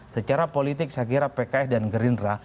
secara politik saya kira pks dan gerindra